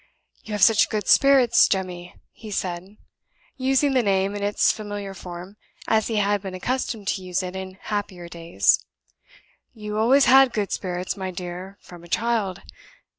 "You have such good spirits, Jemmy," he said, using the name in its familiar form, as he had been accustomed to use it in happier days. "You always had good spirits, my dear, from a child.